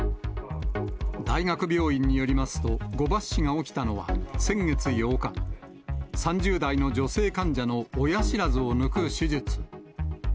大学病院によりますと、誤抜歯が起きたのは先月８日、３０代の女性患者の親知らずを抜く手術。